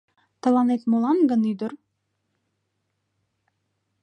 Тыланет молан гын ӱдыр?